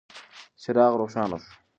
څراغ روښانه شو.